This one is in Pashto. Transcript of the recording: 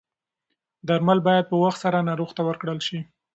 درمل باید په وخت سره ناروغ ته ورکړل شي.